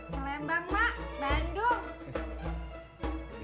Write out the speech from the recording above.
ke lembang mak bandung